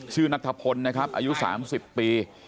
นัทธพลนะครับอายุ๓๐ปี